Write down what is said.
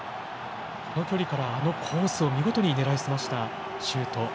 この距離からあのコースを見事に狙いすましたシュート。